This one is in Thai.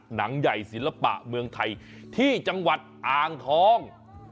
หนังใหญ่ศิลปะเมืองไทยที่จังหวัดอ่างทอง